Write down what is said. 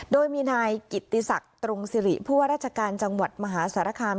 โดยมีนายกิตติศักดิ์ตรงสิริผู้ว่าราชการจังหวัดมหาสารคาม